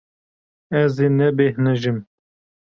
Ez ê nebêhnijim.